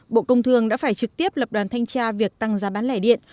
bộ công thương đã phải trực tiếp lập đoàn thanh tra việc tăng giá bán lẻ điện